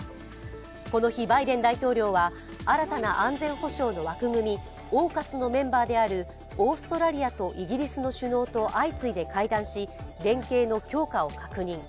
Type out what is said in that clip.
この日、バイデン大統領は新たな安全保障の枠組みＡＵＫＵＳのメンバーであるオーストラリアとイギリスの首脳と相次いで会談し連携の強化を確認。